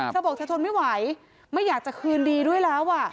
เธอบอกเธอทนไม่ไหวไม่อยากจะคืนดีด้วยแล้ว